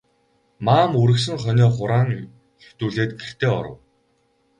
Маам үргэсэн хонио хураан хэвтүүлээд гэртээ оров.